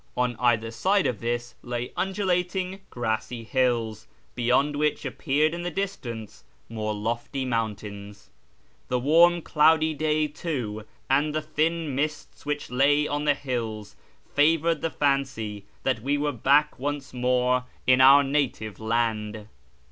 On either side of this lay undulating grassy hills, beyond which appeared in the distance more lofty mountains. The warm, cloudy day, too, and the thin mists which lay on the hills, favoured the fancy that we were back once more in our native land.